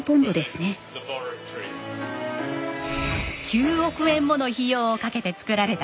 ９億円もの費用をかけて作られた研究室。